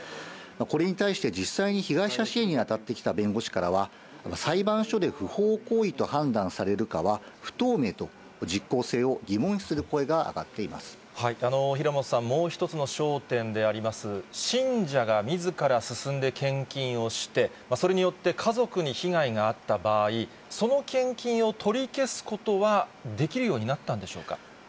これに対して、実際に被害者支援に当たってきた弁護士からは、裁判所で不法行為と判断されるかは不透明と、実効性を疑問視する平本さん、もう一つの焦点であります、信者がみずから進んで献金をして、それによって家族に被害があった場合、その献金を取り消すことはできるようになったんでしょうか。